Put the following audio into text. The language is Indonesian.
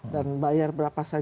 dan bayar berapa saja ini